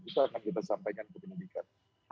itu akan kita sampaikan ke penyidikan